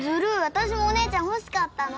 私もお姉ちゃん欲しかったの。